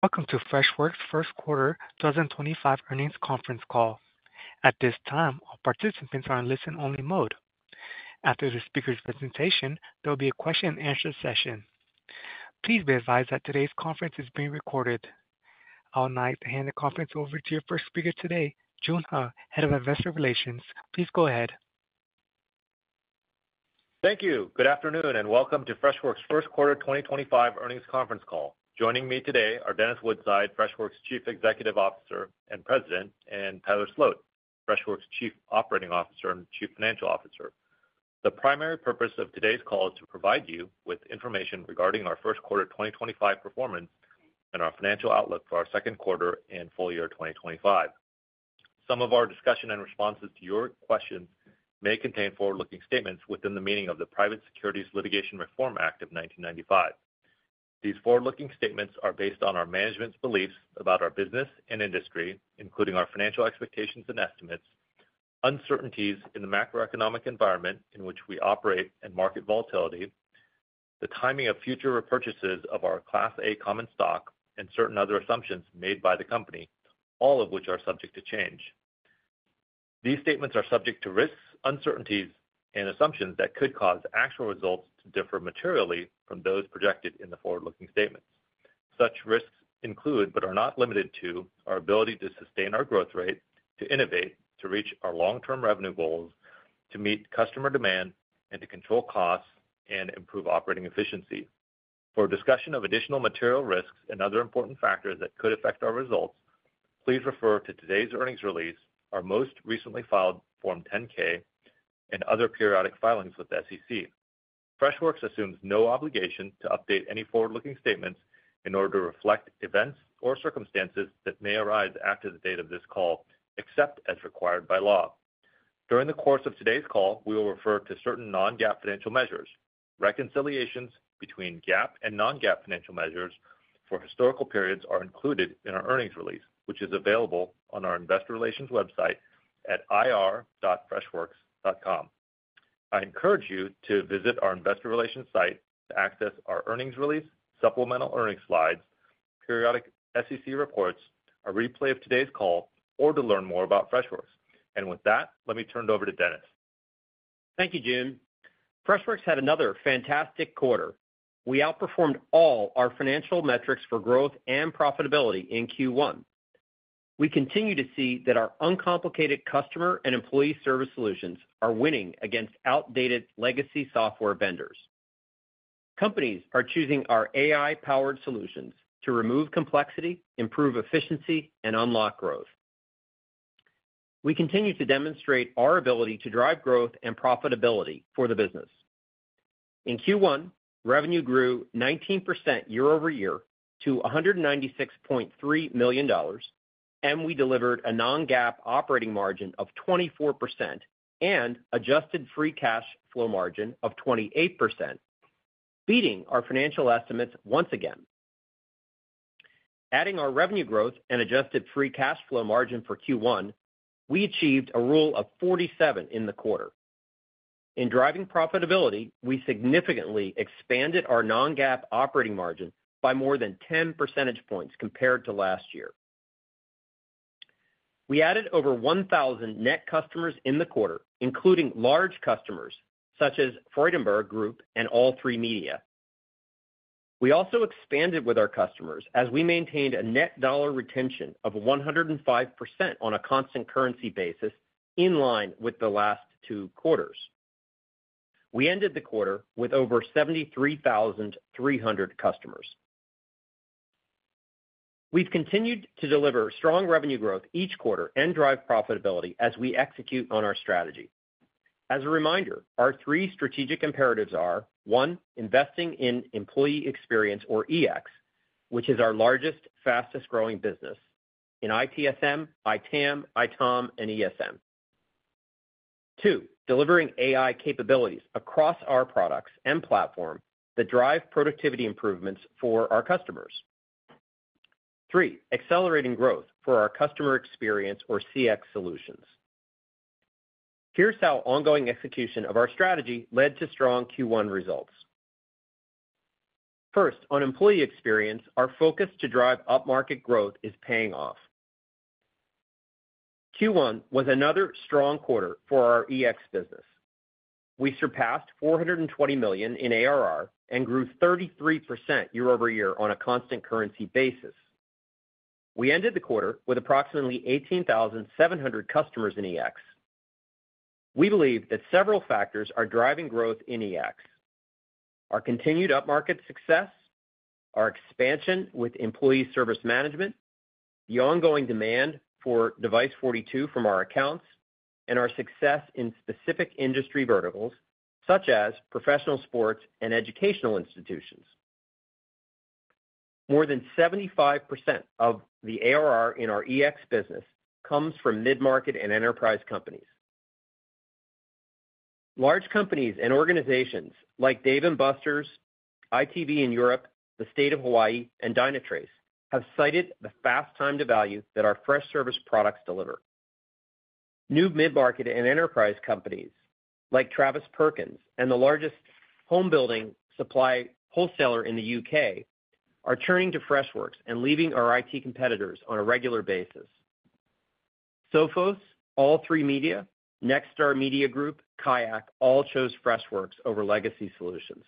Welcome to Freshworks First Quarter 2025 Earnings Conference Call. At this time, all participants are in listen-only mode. After the speaker's presentation, there will be a question-and-answer session. Please be advised that today's conference is being recorded. I'll now hand the conference over to your first speaker today, Joon Huh, Head of Investor Relations. Please go ahead. Thank you. Good afternoon and welcome to Freshworks First Quarter 2025 Earnings Conference Call. Joining me today are Dennis Woodside, Freshworks Chief Executive Officer and President, and Tyler Sloat, Freshworks Chief Operating Officer and Chief Financial Officer. The primary purpose of today's call is to provide you with information regarding our First Quarter 2025 performance and our financial outlook for our second quarter and full year 2025. Some of our discussion and responses to your questions may contain forward-looking statements within the meaning of the Private Securities Litigation Reform Act of 1995. These forward-looking statements are based on our management's beliefs about our business and industry, including our financial expectations and estimates, uncertainties in the macroeconomic environment in which we operate, and market volatility, the timing of future repurchases of our Class A common stock, and certain other assumptions made by the company, all of which are subject to change. These statements are subject to risks, uncertainties, and assumptions that could cause actual results to differ materially from those projected in the forward-looking statements. Such risks include, but are not limited to, our ability to sustain our growth rate, to innovate, to reach our long-term revenue goals, to meet customer demand, and to control costs and improve operating efficiency. For discussion of additional material risks and other important factors that could affect our results, please refer to today's earnings release, our most recently filed Form 10-K, and other periodic filings with the SEC. Freshworks assumes no obligation to update any forward-looking statements in order to reflect events or circumstances that may arise after the date of this call, except as required by law. During the course of today's call, we will refer to certain non-GAAP financial measures. Reconciliations between GAAP and non-GAAP financial measures for historical periods are included in our earnings release, which is available on our Investor Relations website at irfreshworks.com. I encourage you to visit our Investor Relations site to access our earnings release, supplemental earnings slides, periodic SEC reports, a replay of today's call, or to learn more about Freshworks. With that, let me turn it over to Dennis. Thank you, Jim. Freshworks had another fantastic quarter. We outperformed all our financial metrics for growth and profitability in Q1. We continue to see that our uncomplicated customer and employee service solutions are winning against outdated legacy software vendors. Companies are choosing our AI-powered solutions to remove complexity, improve efficiency, and unlock growth. We continue to demonstrate our ability to drive growth and profitability for the business. In Q1, revenue grew 19% year over year to $196.3 million, and we delivered a non-GAAP operating margin of 24% and adjusted free cash flow margin of 28%, beating our financial estimates once again. Adding our revenue growth and adjusted free cash flow margin for Q1, we achieved a rule of 47 in the quarter. In driving profitability, we significantly expanded our non-GAAP operating margin by more than 10% points compared to last year. We added over 1,000 net customers in the quarter, including large customers such as Freudenberg Group and All3Media. We also expanded with our customers as we maintained a net dollar retention of 105% on a constant currency basis in line with the last two quarters. We ended the quarter with over 73,300 customers. We've continued to deliver strong revenue growth each quarter and drive profitability as we execute on our strategy. As a reminder, our three strategic imperatives are: one, investing in employee experience or EX, which is our largest, fastest-growing business, and ITSM, ITAM, ITOM, and ESM; two, delivering AI capabilities across our products and platform that drive productivity improvements for our customers; three, accelerating growth for our customer experience or CX solutions. Here's how ongoing execution of our strategy led to strong Q1 results. First, on employee experience, our focus to drive upmarket growth is paying off. Q1 was another strong quarter for our EX business. We surpassed $420 million in ARR and grew 33% year over year on a constant currency basis. We ended the quarter with approximately 18,700 customers in EX. We believe that several factors are driving growth in EX: our continued upmarket success, our expansion with employee service management, the ongoing demand for Device42 from our accounts, and our success in specific industry verticals such as professional sports and educational institutions. More than 75% of the ARR in our EX business comes from mid-market and enterprise companies. Large companies and organizations like Dave & Buster's, ITV in Europe, the State of Hawaii, and Dynatrace have cited the fast time to value that our Freshservice products deliver. New mid-market and enterprise companies like Travis Perkins and the largest home building supply wholesaler in the U.K. are turning to Freshworks and leaving our IT competitors on a regular basis. Sophos, All3Media, Nexstar Media Group, Kayak all chose Freshworks over legacy solutions.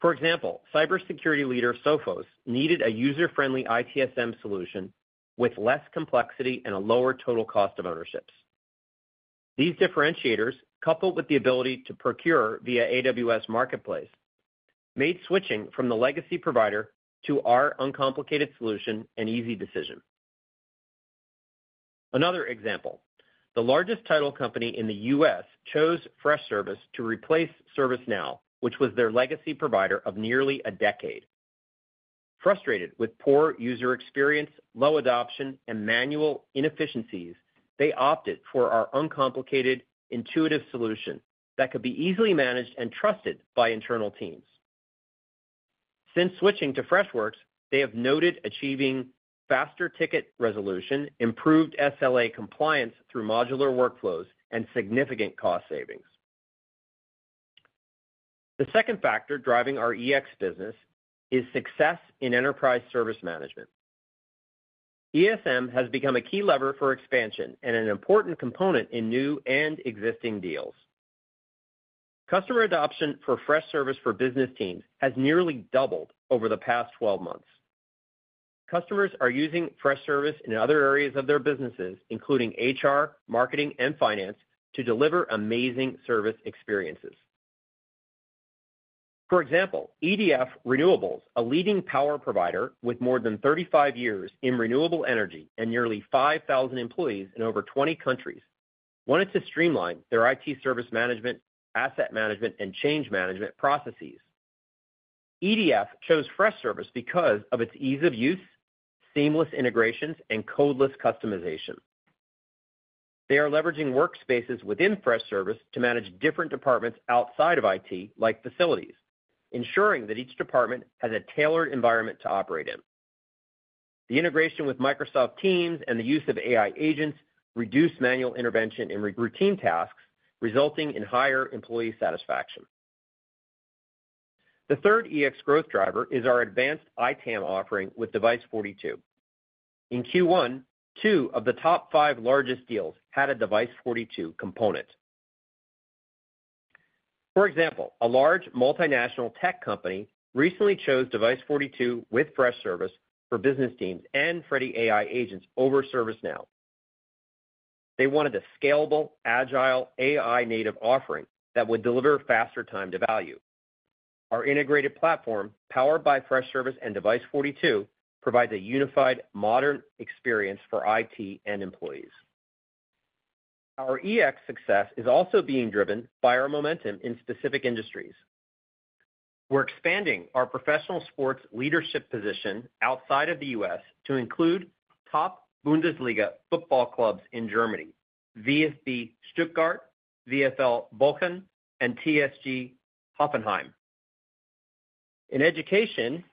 For example, cybersecurity leader Sophos needed a user-friendly ITSM solution with less complexity and a lower total cost of ownership. These differentiators, coupled with the ability to procure via AWS Marketplace, made switching from the legacy provider to our uncomplicated solution an easy decision. Another example, the largest title company in the U.S. chose Freshservice to replace ServiceNow, which was their legacy provider of nearly a decade. Frustrated with poor user experience, low adoption, and manual inefficiencies, they opted for our uncomplicated, intuitive solution that could be easily managed and trusted by internal teams. Since switching to Freshworks, they have noted achieving faster ticket resolution, improved SLA compliance through modular workflows, and significant cost savings. The second factor driving our EX business is success in enterprise service management. ESM has become a key lever for expansion and an important component in new and existing deals. Customer adoption for Freshservice for business teams has nearly doubled over the past 12 months. Customers are using Freshservice in other areas of their businesses, including HR, marketing, and finance, to deliver amazing service experiences. For example, EDF Renewables, a leading power provider with more than 35 years in renewable energy and nearly 5,000 employees in over 20 countries, wanted to streamline their IT service management, asset management, and change management processes. EDF chose Freshservice because of its ease of use, seamless integrations, and codeless customization. They are leveraging workspaces within Freshservice to manage different departments outside of IT, like facilities, ensuring that each department has a tailored environment to operate in. The integration with Microsoft Teams and the use of AI agents reduced manual intervention in routine tasks, resulting in higher employee satisfaction. The third EX growth driver is our advanced ITAM offering with Device42. In Q1, two of the top five largest deals had a Device42 component. For example, a large multinational tech company recently chose Device42 with Freshservice for business teams and Freddie AI agents over ServiceNow. They wanted a scalable, agile, AI-native offering that would deliver faster time to value. Our integrated platform, powered by Freshservice and Device42, provides a unified, modern experience for IT and employees. Our EX success is also being driven by our momentum in specific industries. We're expanding our professional sports leadership position outside of the US to include top Bundesliga football clubs in Germany: VfB Stuttgart, VfL Bochum, and TSG Hoffenheim. In education,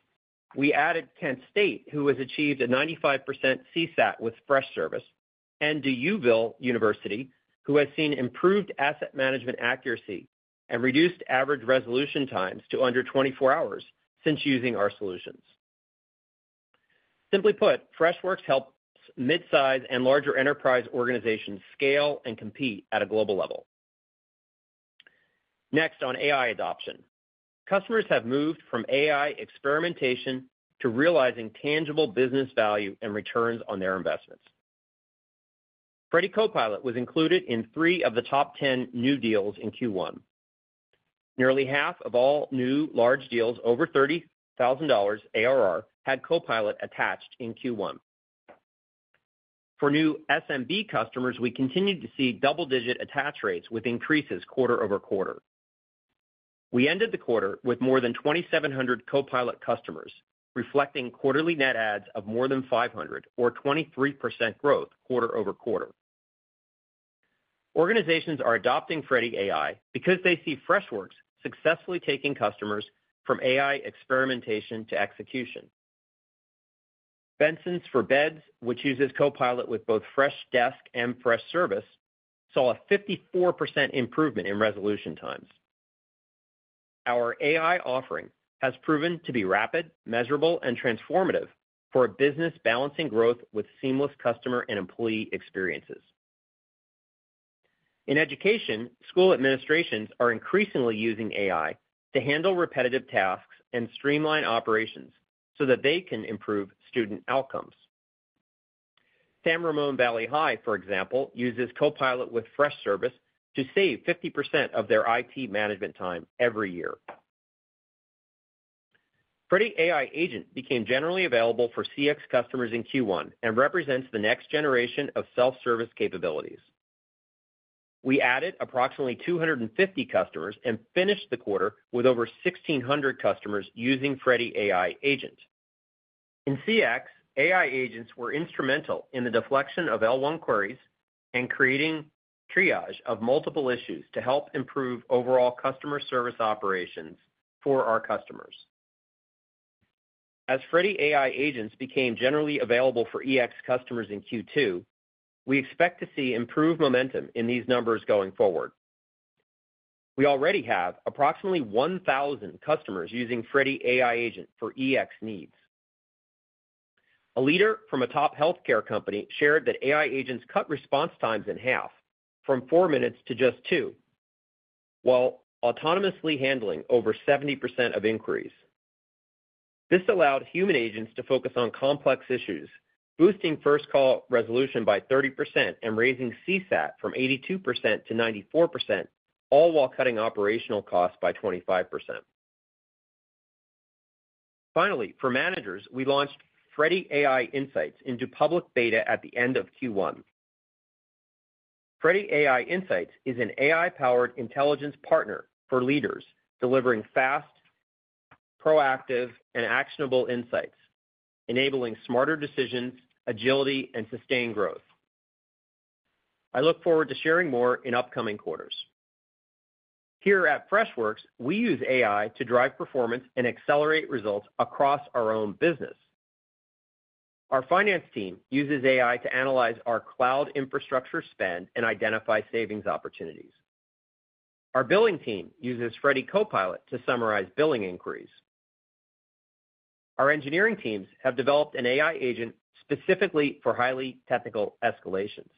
we added Kent State, who has achieved a 95% CSAT with Freshservice, and De Yuville University, who has seen improved asset management accuracy and reduced average resolution times to under 24 hours since using our solutions. Simply put, Freshworks helps mid-size and larger enterprise organizations scale and compete at a global level. Next, on AI adoption, customers have moved from AI experimentation to realizing tangible business value and returns on their investments. Freddie Copilot was included in three of the top 10 new deals in Q1. Nearly half of all new large deals over $30,000 ARR had Copilot attached in Q1. For new SMB customers, we continue to see double-digit attach rates with increases quarter over quarter. We ended the quarter with more than 2,700 Copilot customers, reflecting quarterly net adds of more than 500, or 23% growth quarter over quarter. Organizations are adopting Freddie AI because they see Freshworks successfully taking customers from AI experimentation to execution. Bensons for Beds, which uses Copilot with both Freshdesk and Freshservice, saw a 54% improvement in resolution times. Our AI offering has proven to be rapid, measurable, and transformative for a business balancing growth with seamless customer and employee experiences. In education, school administrations are increasingly using AI to handle repetitive tasks and streamline operations so that they can improve student outcomes. San Ramon Valley High, for example, uses Copilot with Freshservice to save 50% of their IT management time every year. Freddie AI agent became generally available for CX customers in Q1 and represents the next generation of self-service capabilities. We added approximately 250 customers and finished the quarter with over 1,600 customers using Freddie AI agent. In CX, AI agents were instrumental in the deflection of L1 queries and creating triage of multiple issues to help improve overall customer service operations for our customers. As Freddie AI agents became generally available for EX customers in Q2, we expect to see improved momentum in these numbers going forward. We already have approximately 1,000 customers using Freddie AI agent for EX needs. A leader from a top healthcare company shared that AI agents cut response times in half, from four minutes to just two, while autonomously handling over 70% of inquiries. This allowed human agents to focus on complex issues, boosting first call resolution by 30% and raising CSAT from 82% to 94%, all while cutting operational costs by 25%. Finally, for managers, we launched Freddie AI Insights into public beta at the end of Q1. Freddie AI Insights is an AI-powered intelligence partner for leaders, delivering fast, proactive, and actionable insights, enabling smarter decisions, agility, and sustained growth. I look forward to sharing more in upcoming quarters. Here at Freshworks, we use AI to drive performance and accelerate results across our own business. Our finance team uses AI to analyze our cloud infrastructure spend and identify savings opportunities. Our billing team uses Freddie Copilot to summarize billing inquiries. Our engineering teams have developed an AI agent specifically for highly technical escalations.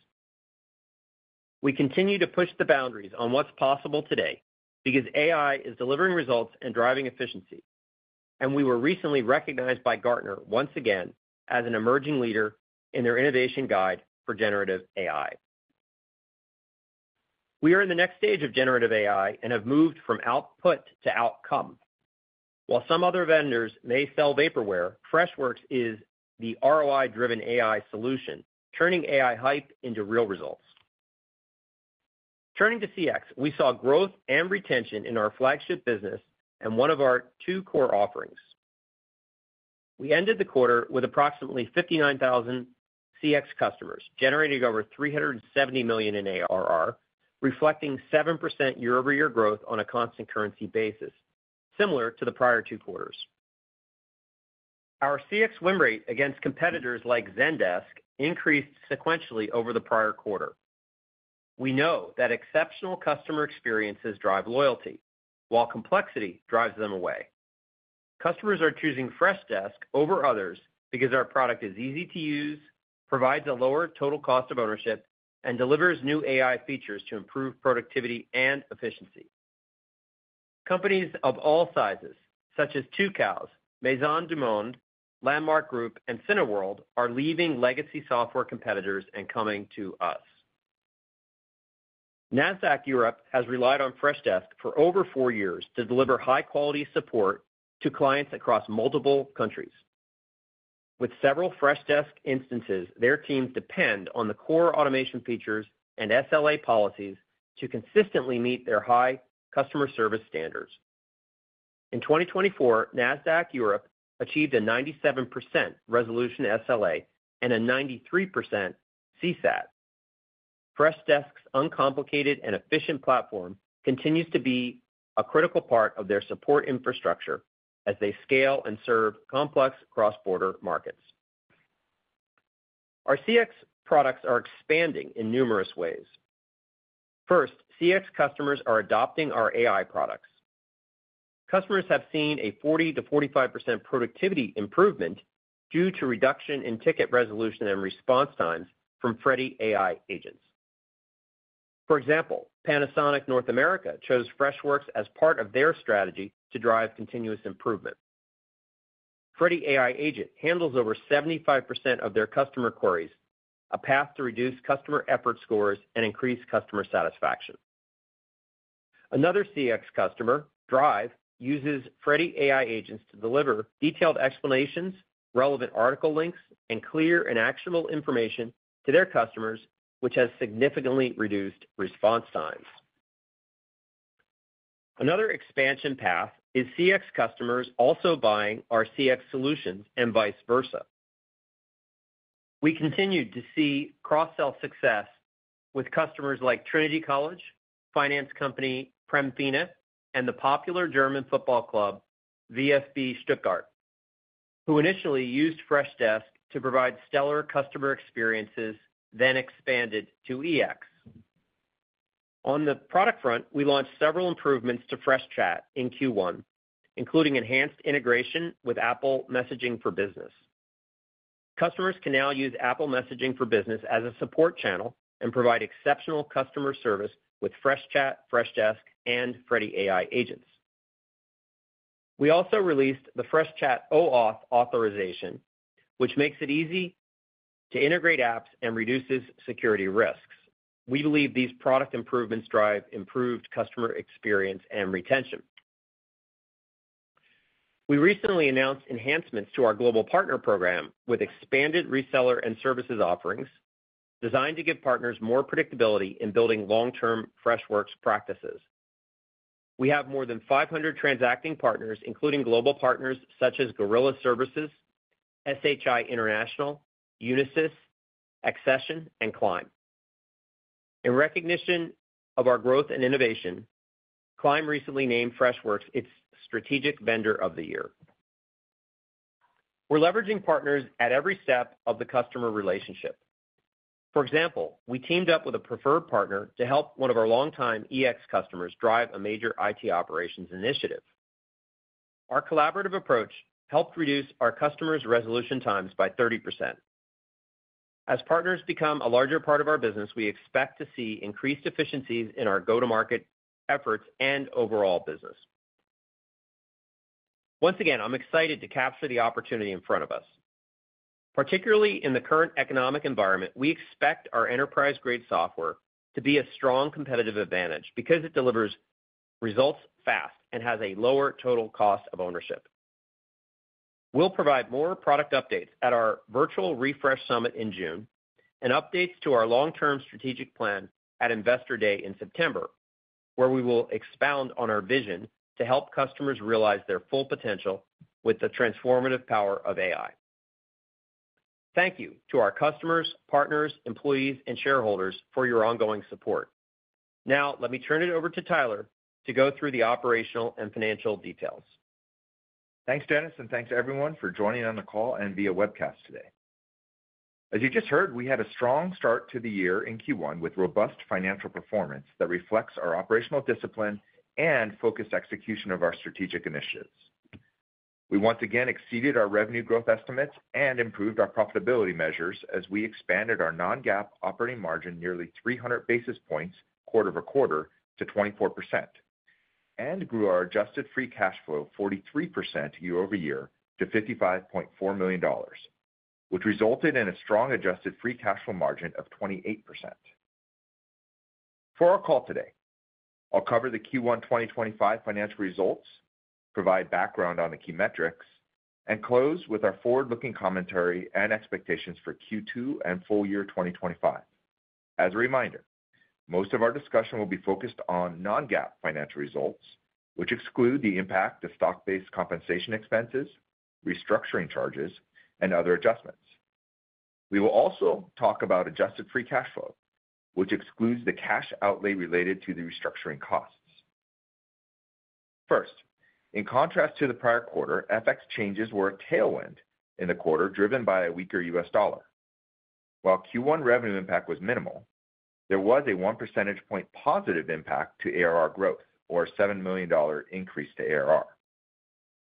We continue to push the boundaries on what's possible today because AI is delivering results and driving efficiency, and we were recently recognized by Gartner once again as an emerging leader in their innovation guide for generative AI. We are in the next stage of generative AI and have moved from output to outcome. While some other vendors may sell vaporware, Freshworks is the ROI-driven AI solution, turning AI hype into real results. Turning to CX, we saw growth and retention in our flagship business and one of our two core offerings. We ended the quarter with approximately 59,000 CX customers, generating over $370 million in ARR, reflecting 7% year-over-year growth on a constant currency basis, similar to the prior two quarters. Our CX win rate against competitors like Zendesk increased sequentially over the prior quarter. We know that exceptional customer experiences drive loyalty, while complexity drives them away. Customers are choosing Freshdesk over others because our product is easy to use, provides a lower total cost of ownership, and delivers new AI features to improve productivity and efficiency. Companies of all sizes, such as Two Cows, Maison du Monde, Landmark Group, and Cineworld, are leaving legacy software competitors and coming to us. Nasdaq Europe has relied on Freshdesk for over four years to deliver high-quality support to clients across multiple countries. With several Freshdesk instances, their teams depend on the core automation features and SLA policies to consistently meet their high customer service standards. In 2024, Nasdaq Europe achieved a 97% resolution SLA and a 93% CSAT. Freshdesk's uncomplicated and efficient platform continues to be a critical part of their support infrastructure as they scale and serve complex cross-border markets. Our CX products are expanding in numerous ways. First, CX customers are adopting our AI products. Customers have seen a 40%-45% productivity improvement due to reduction in ticket resolution and response times from Freddie AI agents. For example, Panasonic North America chose Freshworks as part of their strategy to drive continuous improvement. Freddie AI agent handles over 75% of their customer queries, a path to reduce customer effort scores and increase customer satisfaction. Another CX customer, Drive, uses Freddie AI agents to deliver detailed explanations, relevant article links, and clear and actionable information to their customers, which has significantly reduced response times. Another expansion path is CX customers also buying our CX solutions and vice versa. We continue to see cross-sell success with customers like Trinity College, finance company Premfina, and the popular German football club VfB Stuttgart, who initially used Freshdesk to provide stellar customer experiences, then expanded to EX. On the product front, we launched several improvements to FreshChat in Q1, including enhanced integration with Apple Messaging for Business. Customers can now use Apple Messaging for Business as a support channel and provide exceptional customer service with FreshChat, Freshdesk, and Freddie AI agents. We also released the FreshChat OAuth authorization, which makes it easy to integrate apps and reduces security risks. We believe these product improvements drive improved customer experience and retention. We recently announced enhancements to our global partner program with expanded reseller and services offerings designed to give partners more predictability in building long-term Freshworks practices. We have more than 500 transacting partners, including global partners such as Gorilla Services, SHI International, Unisys, Accession, and Climb. In recognition of our growth and innovation, Climb recently named Freshworks its strategic vendor of the year. We're leveraging partners at every step of the customer relationship. For example, we teamed up with a preferred partner to help one of our longtime EX customers drive a major IT operations initiative. Our collaborative approach helped reduce our customers' resolution times by 30%. As partners become a larger part of our business, we expect to see increased efficiencies in our go-to-market efforts and overall business. Once again, I'm excited to capture the opportunity in front of us. Particularly in the current economic environment, we expect our enterprise-grade software to be a strong competitive advantage because it delivers results fast and has a lower total cost of ownership. We'll provide more product updates at our virtual Refresh summit in June and updates to our long-term strategic plan at Investor Day in September, where we will expound on our vision to help customers realize their full potential with the transformative power of AI. Thank you to our customers, partners, employees, and shareholders for your ongoing support. Now, let me turn it over to Tyler to go through the operational and financial details. Thanks, Dennis, and thanks to everyone for joining on the call and via webcast today. As you just heard, we had a strong start to the year in Q1 with robust financial performance that reflects our operational discipline and focused execution of our strategic initiatives. We once again exceeded our revenue growth estimates and improved our profitability measures as we expanded our non-GAAP operating margin nearly 300 basis points quarter over quarter to 24% and grew our adjusted free cash flow 43% year-over-year to $55.4 million, which resulted in a strong adjusted free cash flow margin of 28%. For our call today, I'll cover the Q1 2025 financial results, provide background on the key metrics, and close with our forward-looking commentary and expectations for Q2 and full year 2025. As a reminder, most of our discussion will be focused on non-GAAP financial results, which exclude the impact of stock-based compensation expenses, restructuring charges, and other adjustments. We will also talk about adjusted free cash flow, which excludes the cash outlay related to the restructuring costs. First, in contrast to the prior quarter, FX changes were a tailwind in the quarter driven by a weaker US dollar. While Q1 revenue impact was minimal, there was a 1 percentage point positive impact to ARR growth, or a $7 million increase to ARR.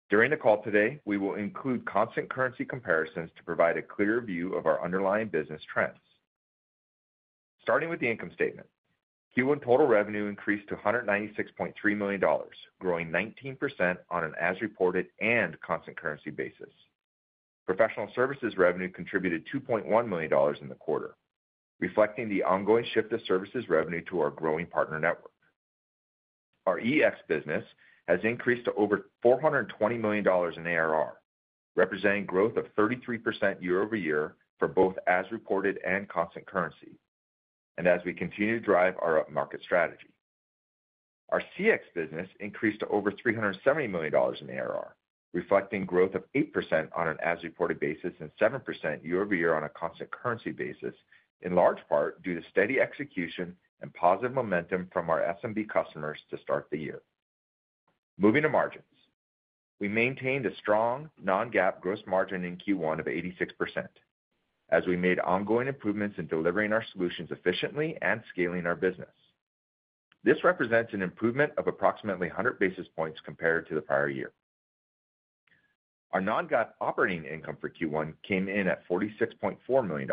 During the call today, we will include constant currency comparisons to provide a clear view of our underlying business trends. Starting with the income statement, Q1 total revenue increased to $196.3 million, growing 19% on an as-reported and constant currency basis. Professional services revenue contributed $2.1 million in the quarter, reflecting the ongoing shift of services revenue to our growing partner network. Our EX business has increased to over $420 million in ARR, representing growth of 33% year-over-year for both as-reported and constant currency, and as we continue to drive our up-market strategy. Our CX business increased to over $370 million in ARR, reflecting growth of 8% on an as-reported basis and 7% year-over-year on a constant currency basis, in large part due to steady execution and positive momentum from our S&B customers to start the year. Moving to margins, we maintained a strong non-GAAP gross margin in Q1 of 86%, as we made ongoing improvements in delivering our solutions efficiently and scaling our business. This represents an improvement of approximately 100 basis points compared to the prior year. Our non-GAAP operating income for Q1 came in at $46.4 million,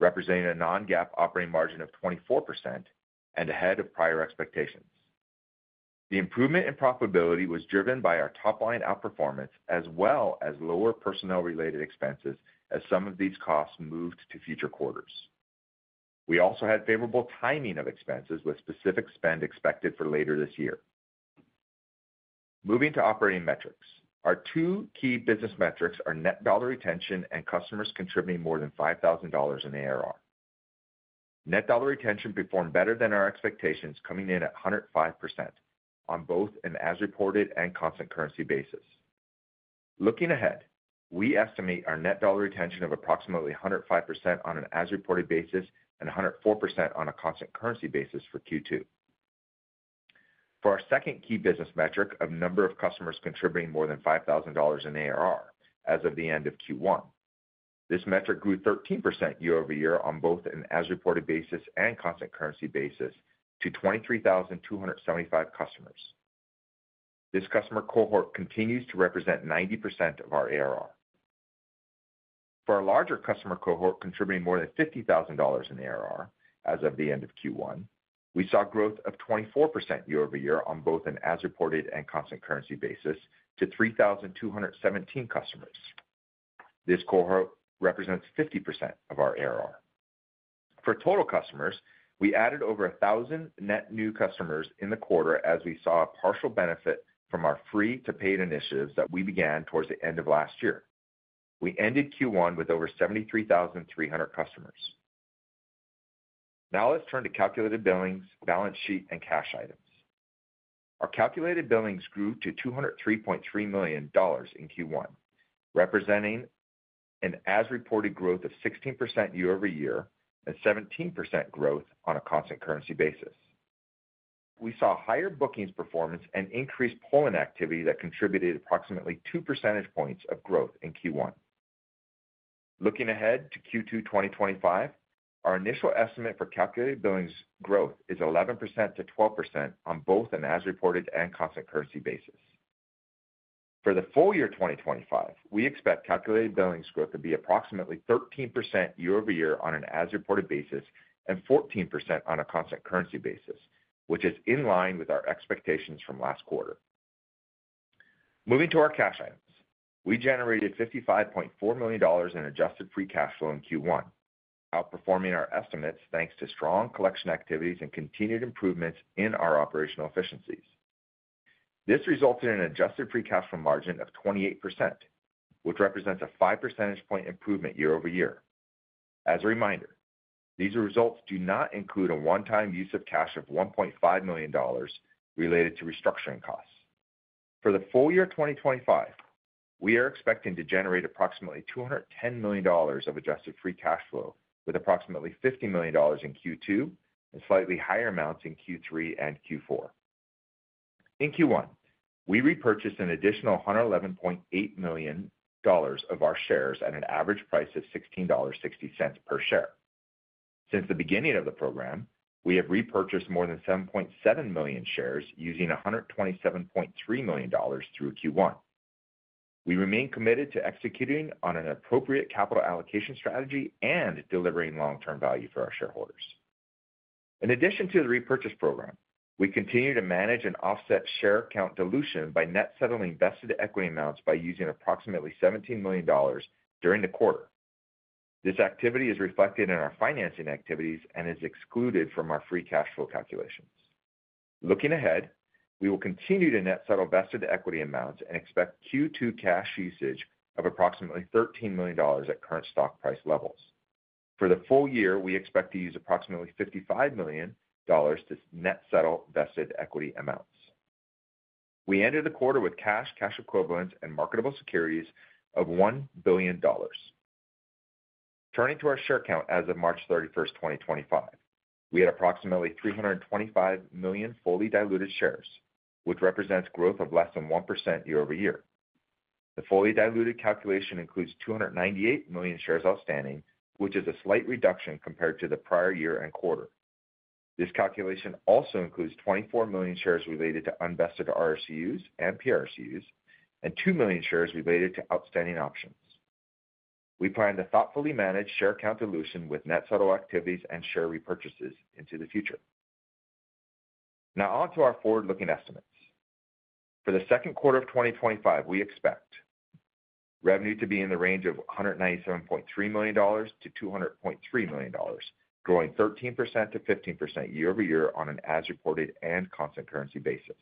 representing a non-GAAP operating margin of 24% and ahead of prior expectations. The improvement in profitability was driven by our top-line outperformance, as well as lower personnel-related expenses, as some of these costs moved to future quarters. We also had favorable timing of expenses, with specific spend expected for later this year. Moving to operating metrics, our two key business metrics are net dollar retention and customers contributing more than $5,000 in ARR. Net dollar retention performed better than our expectations, coming in at 105% on both an as-reported and constant currency basis. Looking ahead, we estimate our net dollar retention of approximately 105% on an as-reported basis and 104% on a constant currency basis for Q2. For our second key business metric of number of customers contributing more than $5,000 in ARR as of the end of Q1, this metric grew 13% year-over-year on both an as-reported basis and constant currency basis to 23,275 customers. This customer cohort continues to represent 90% of our ARR. For our larger customer cohort contributing more than $50,000 in ARR as of the end of Q1, we saw growth of 24% year-over-year on both an as-reported and constant currency basis to 3,217 customers. This cohort represents 50% of our ARR. For total customers, we added over 1,000 net new customers in the quarter, as we saw a partial benefit from our free-to-paid initiatives that we began towards the end of last year. We ended Q1 with over 73,300 customers. Now, let's turn to calculated billings, balance sheet, and cash items. Our calculated billings grew to $203.3 million in Q1, representing an as-reported growth of 16% year-over-year and 17% growth on a constant currency basis. We saw higher bookings performance and increased pulling activity that contributed approximately 2% points of growth in Q1. Looking ahead to Q2 2025, our initial estimate for calculated billings growth is 11%-12% on both an as-reported and constant currency basis. For the full year 2025, we expect calculated billings growth to be approximately 13% year-over-year on an as-reported basis and 14% on a constant currency basis, which is in line with our expectations from last quarter. Moving to our cash items, we generated $55.4 million in adjusted free cash flow in Q1, outperforming our estimates thanks to strong collection activities and continued improvements in our operational efficiencies. This resulted in an adjusted free cash flow margin of 28%, which represents a 5 percentage point improvement year-over-year. As a reminder, these results do not include a one-time use of cash of $1.5 million related to restructuring costs. For the full year 2025, we are expecting to generate approximately $210 million of adjusted free cash flow with approximately $50 million in Q2 and slightly higher amounts in Q3 and Q4. In Q1, we repurchased an additional $111.8 million of our shares at an average price of $16.60 per share. Since the beginning of the program, we have repurchased more than 7.7 million shares using $127.3 million through Q1. We remain committed to executing on an appropriate capital allocation strategy and delivering long-term value for our shareholders. In addition to the repurchase program, we continue to manage and offset share account dilution by net settling vested equity amounts by using approximately $17 million during the quarter. This activity is reflected in our financing activities and is excluded from our free cash flow calculations. Looking ahead, we will continue to net settle vested equity amounts and expect Q2 cash usage of approximately $13 million at current stock price levels. For the full year, we expect to use approximately $55 million to net settle vested equity amounts. We ended the quarter with cash, cash equivalents, and marketable securities of $1 billion. Turning to our share account as of March 31, 2025, we had approximately 325 million fully diluted shares, which represents growth of less than 1% year-over-year. The fully diluted calculation includes 298 million shares outstanding, which is a slight reduction compared to the prior year and quarter. This calculation also includes 24 million shares related to unvested RSUs and PRSUs and 2 million shares related to outstanding options. We plan to thoughtfully manage share count dilution with net settle activities and share repurchases into the future. Now, on to our forward-looking estimates. For the second quarter of 2025, we expect revenue to be in the range of $197.3 million-$200.3 million, growing 13%-15% year-over-year on an as-reported and constant currency basis.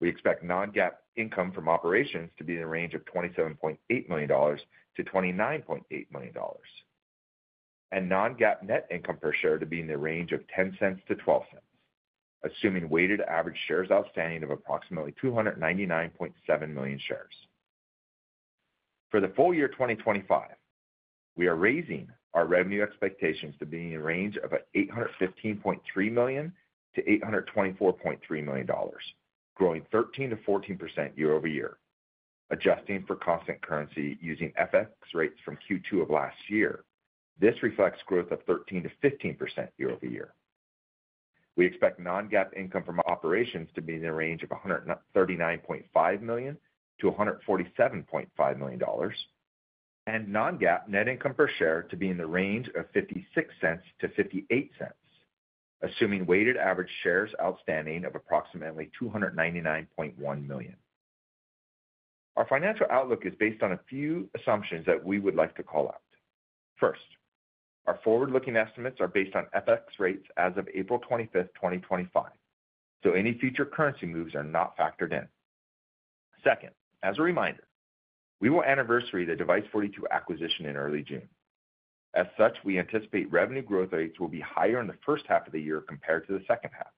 We expect non-GAAP income from operations to be in the range of $27.8 million-$29.8 million, and non-GAAP net income per share to be in the range of $0.10-$0.12, assuming weighted average shares outstanding of approximately 299.7 million shares. For the full year 2025, we are raising our revenue expectations to be in the range of $815.3 million-$824.3 million, growing 13%-14% year-over-year, adjusting for constant currency using FX rates from Q2 of last year. This reflects growth of 13%-15% year-over-year. We expect non-GAAP income from operations to be in the range of $139.5 million-$147.5 million, and non-GAAP net income per share to be in the range of $0.56-$0.58, assuming weighted average shares outstanding of approximately 299.1 million. Our financial outlook is based on a few assumptions that we would like to call out. First, our forward-looking estimates are based on FX rates as of April 25, 2025, so any future currency moves are not factored in. Second, as a reminder, we will anniversary the Device42 acquisition in early June. As such, we anticipate revenue growth rates will be higher in the first half of the year compared to the second half.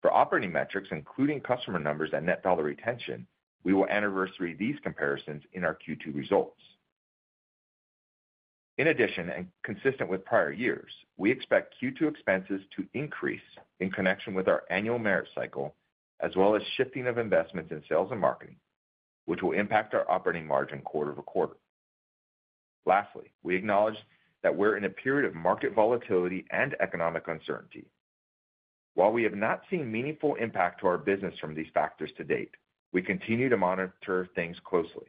For operating metrics, including customer numbers and net dollar retention, we will anniversary these comparisons in our Q2 results. In addition, and consistent with prior years, we expect Q2 expenses to increase in connection with our annual merit cycle, as well as shifting of investments in sales and marketing, which will impact our operating margin quarter to quarter. Lastly, we acknowledge that we're in a period of market volatility and economic uncertainty. While we have not seen meaningful impact to our business from these factors to date, we continue to monitor things closely.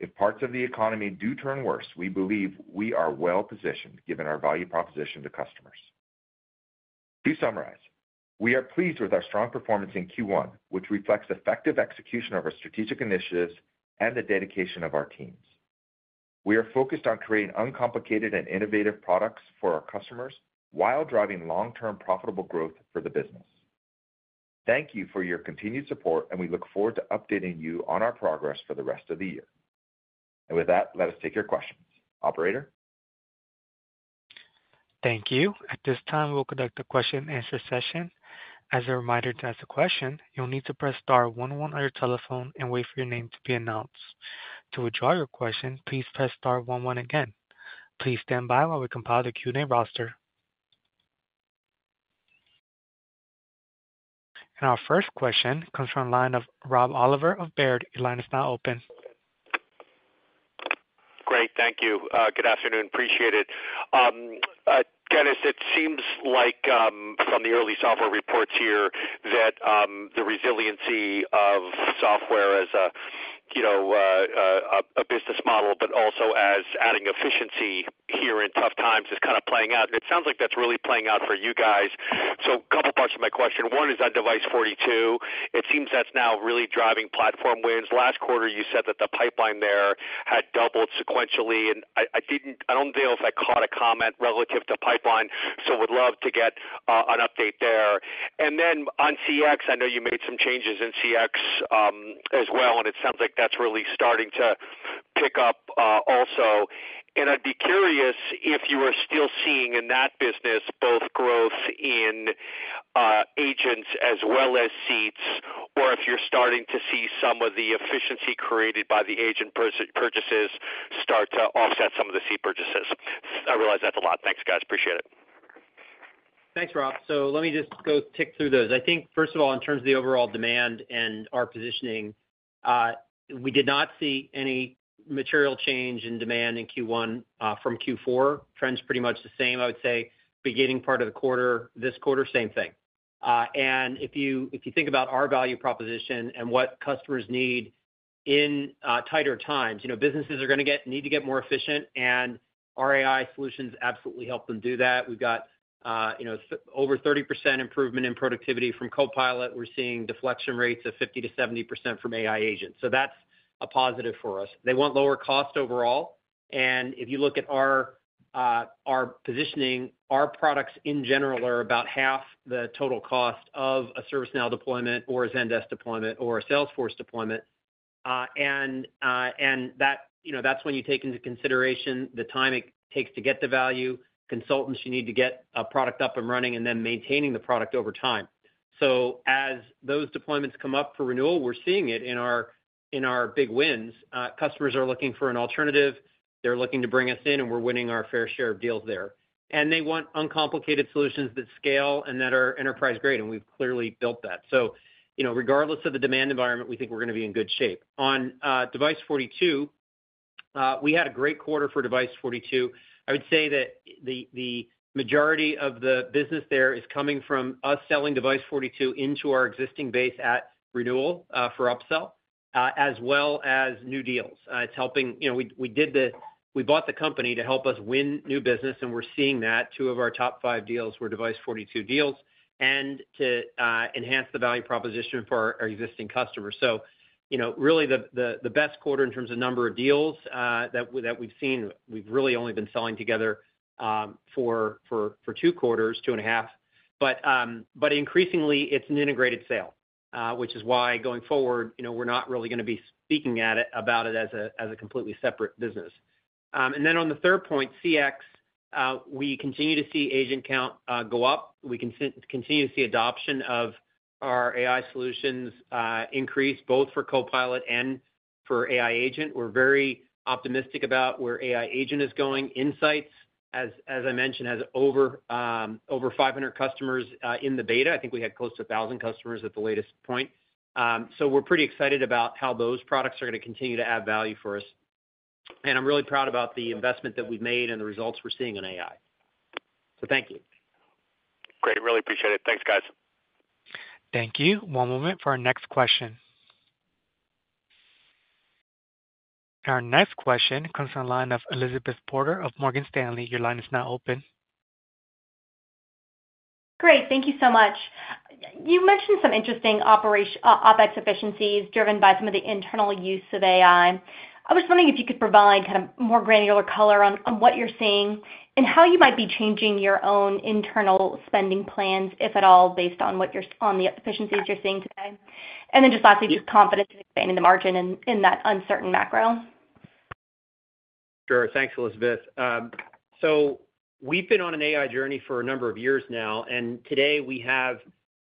If parts of the economy do turn worse, we believe we are well-positioned given our value proposition to customers. To summarize, we are pleased with our strong performance in Q1, which reflects effective execution of our strategic initiatives and the dedication of our teams. We are focused on creating uncomplicated and innovative products for our customers while driving long-term profitable growth for the business. Thank you for your continued support, and we look forward to updating you on our progress for the rest of the year. Let us take your questions, Operator. Thank you. At this time, we'll conduct a question-and-answer session. As a reminder to ask a question, you'll need to press star one one on your telephone and wait for your name to be announced. To withdraw your question, please press star 11 again. Please stand by while we compile the Q&A roster. Our first question comes from a line of Rob Oliver of Baird. Your line is now open. Great. Thank you. Good afternoon. Appreciate it. Dennis, it seems like from the early software reports here that the resiliency of software as a business model, but also as adding efficiency here in tough times, is kind of playing out. It sounds like that's really playing out for you guys. A couple parts of my question. One is on Device42. It seems that's now really driving platform wins. Last quarter, you said that the pipeline there had doubled sequentially. I don't know if I caught a comment relative to pipeline, so would love to get an update there. On CX, I know you made some changes in CX as well, and it sounds like that's really starting to pick up also. I'd be curious if you are still seeing in that business both growth in agents as well as seats, or if you're starting to see some of the efficiency created by the agent purchases start to offset some of the seat purchases. I realize that's a lot. Thanks, guys. Appreciate it. Thanks, Rob. Let me just go tick through those. I think, first of all, in terms of the overall demand and our positioning, we did not see any material change in demand in Q1 from Q4. Trends pretty much the same, I would say, beginning part of the quarter. This quarter, same thing. If you think about our value proposition and what customers need in tighter times, businesses are going to need to get more efficient, and our AI solutions absolutely help them do that. We've got over 30% improvement in productivity from Copilot. We're seeing deflection rates of 50%-70% from AI agents. That's a positive for us. They want lower cost overall. If you look at our positioning, our products in general are about half the total cost of a ServiceNow deployment or a Zendesk deployment or a Salesforce deployment. That's when you take into consideration the time it takes to get the value, consultants you need to get a product up and running, and then maintaining the product over time. As those deployments come up for renewal, we're seeing it in our big wins. Customers are looking for an alternative. They're looking to bring us in, and we're winning our fair share of deals there. They want uncomplicated solutions that scale and that are enterprise-grade, and we've clearly built that. Regardless of the demand environment, we think we're going to be in good shape. On Device42, we had a great quarter for Device42. I would say that the majority of the business there is coming from us selling Device42 into our existing base at renewal for upsell, as well as new deals. We bought the company to help us win new business, and we're seeing that. Two of our top five deals were Device42 deals and to enhance the value proposition for our existing customers. Really, the best quarter in terms of number of deals that we've seen, we've really only been selling together for two quarters, two and a half. Increasingly, it's an integrated sale, which is why going forward, we're not really going to be speaking about it as a completely separate business. On the third point, CX, we continue to see agent count go up. We continue to see adoption of our AI solutions increase, both for Copilot and for AI agent. We're very optimistic about where AI agent is going. Insights, as I mentioned, has over 500 customers in the beta. I think we had close to 1,000 customers at the latest point. We're pretty excited about how those products are going to continue to add value for us. I'm really proud about the investment that we've made and the results we're seeing in AI. Thank you. Great. Really appreciate it. Thanks, guys. Thank you. One moment for our next question. Our next question comes from a line of Elizabeth Porter of Morgan Stanley. Your line is now open. Great. Thank you so much. You mentioned some interesting OpEx efficiencies driven by some of the internal use of AI. I was wondering if you could provide kind of more granular color on what you're seeing and how you might be changing your own internal spending plans, if at all, based on the efficiencies you're seeing today. Just lastly, just confidence in expanding the margin in that uncertain macro. Sure. Thanks, Elizabeth. We've been on an AI journey for a number of years now, and today we have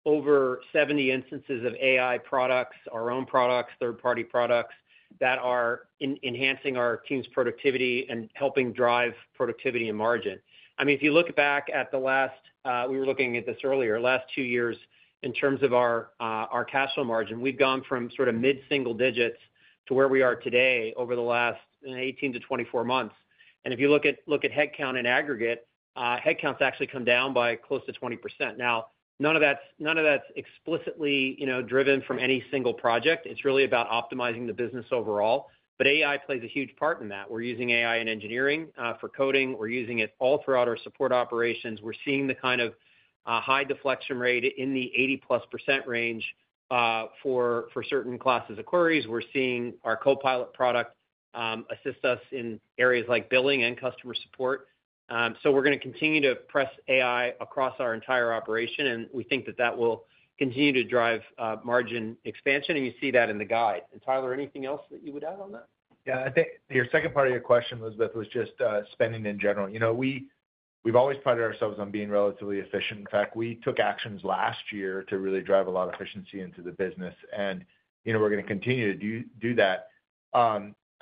over 70 instances of AI products, our own products, third-party products that are enhancing our team's productivity and helping drive productivity and margin. I mean, if you look back at the last—we were looking at this earlier—last two years in terms of our cash flow margin, we've gone from sort of mid-single digits to where we are today over the last 18 to 24 months. If you look at headcount in aggregate, headcounts actually come down by close to 20%. None of that's explicitly driven from any single project. It's really about optimizing the business overall. AI plays a huge part in that. We're using AI in engineering for coding. We're using it all throughout our support operations. We're seeing the kind of high deflection rate in the 80%+ range for certain classes of queries. We're seeing our Copilot product assist us in areas like billing and customer support. We are going to continue to press AI across our entire operation, and we think that will continue to drive margin expansion. You see that in the guide. Tyler, anything else that you would add on that? Yeah. I think your second part of your question, Elizabeth, was just spending in general. We've always prided ourselves on being relatively efficient. In fact, we took actions last year to really drive a lot of efficiency into the business, and we're going to continue to do that.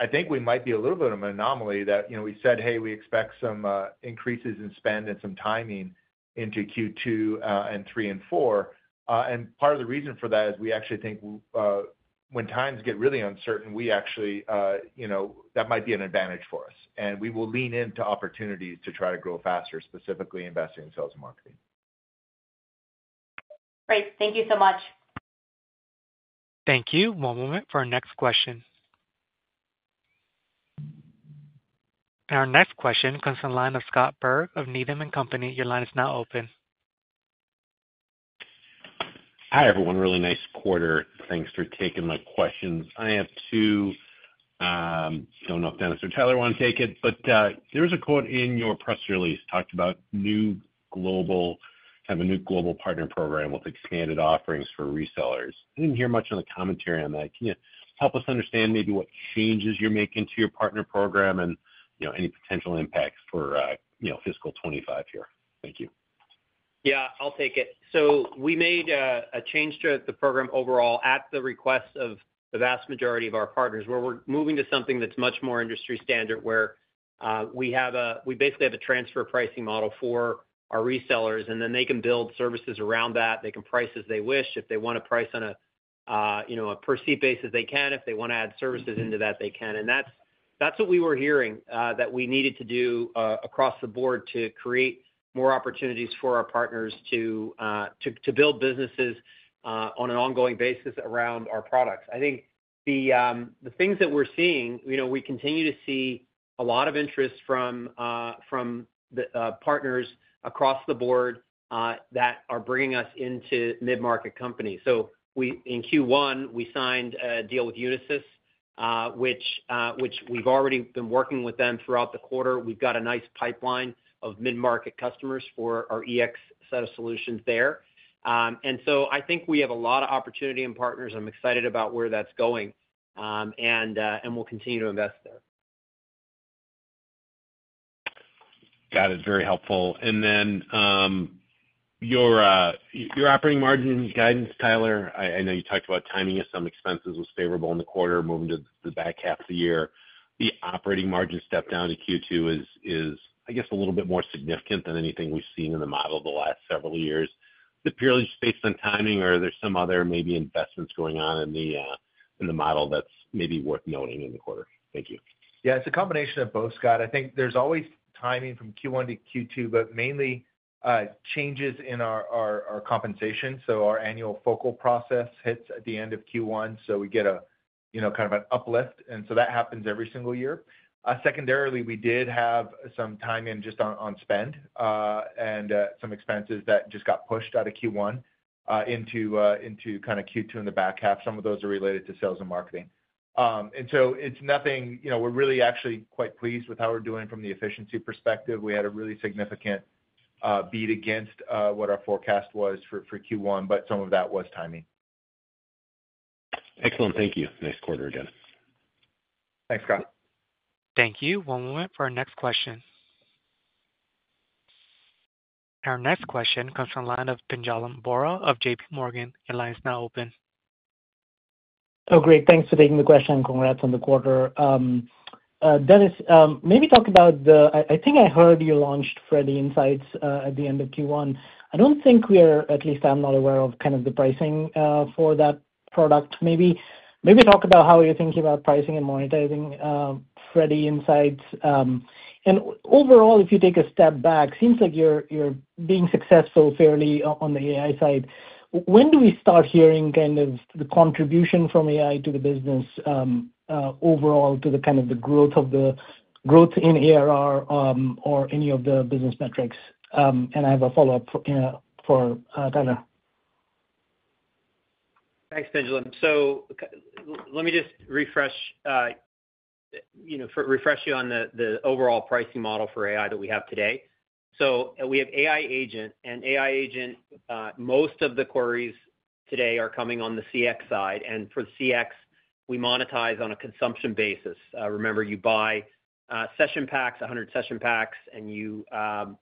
I think we might be a little bit of an anomaly that we said, "Hey, we expect some increases in spend and some timing into Q2 and 3 and 4." Part of the reason for that is we actually think when times get really uncertain, we actually—that might be an advantage for us. We will lean into opportunities to try to grow faster, specifically investing in sales and marketing. Great. Thank you so much. Thank you. One moment for our next question. Our next question comes from a line of Scott Berg of Needham & Company. Your line is now open. Hi, everyone. Really nice quarter. Thanks for taking my questions. I have two—I do not know if Dennis or Tyler want to take it, but there was a quote in your press release talking about kind of a new global partner program with expanded offerings for resellers. I did not hear much of the commentary on that. Can you help us understand maybe what changes you are making to your partner program and any potential impacts for fiscal 2025 here? Thank you. Yeah, I will take it. We made a change to the program overall at the request of the vast majority of our partners, where we are moving to something that is much more industry standard, where we basically have a transfer pricing model for our resellers, and then they can build services around that. They can price as they wish. If they want to price on a per-seat basis, they can. If they want to add services into that, they can. That's what we were hearing that we needed to do across the board to create more opportunities for our partners to build businesses on an ongoing basis around our products. I think the things that we're seeing, we continue to see a lot of interest from the partners across the board that are bringing us into mid-market companies. In Q1, we signed a deal with Unisys, which we've already been working with throughout the quarter. We've got a nice pipeline of mid-market customers for our EX set of solutions there. I think we have a lot of opportunity in partners. I'm excited about where that's going, and we'll continue to invest there. Got it. Very helpful. Your operating margins guidance, Tyler, I know you talked about timing of some expenses was favorable in the quarter moving to the back half of the year. The operating margin step down to Q2 is, I guess, a little bit more significant than anything we've seen in the model the last several years. Is it purely just based on timing, or are there some other maybe investments going on in the model that's maybe worth noting in the quarter? Thank you. Yeah, it's a combination of both, Scott. I think there's always timing from Q1 to Q2, but mainly changes in our compensation. So our annual focal process hits at the end of Q1, so we get kind of an uplift. That happens every single year. Secondarily, we did have some timing just on spend and some expenses that just got pushed out of Q1 into kind of Q2 in the back half. Some of those are related to sales and marketing. It's nothing. We're really actually quite pleased with how we're doing from the efficiency perspective. We had a really significant beat against what our forecast was for Q1, but some of that was timing. Excellent. Thank you. Nice quarter again. Thanks, Scott. Thank you. One moment for our next question. Our next question comes from a line of Panjalam Borough of JP Morgan. Your line is now open. Oh, great. Thanks for taking the question. Congrats on the quarter. Dennis, maybe talk about the—I think I heard you launched Freddie Insights at the end of Q1. I don't think we are—at least I'm not aware of kind of the pricing for that product. Maybe talk about how you're thinking about pricing and monetizing Freddie Insights. And overall, if you take a step back, it seems like you're being successful fairly on the AI side. When do we start hearing kind of the contribution from AI to the business overall, to the kind of the growth in ARR or any of the business metrics? I have a follow-up for Tyler. Thanks, Panjalam. Let me just refresh you on the overall pricing model for AI that we have today. We have AI agent, and AI agent, most of the queries today are coming on the CX side. For CX, we monetize on a consumption basis. Remember, you buy session packs, 100 session packs, or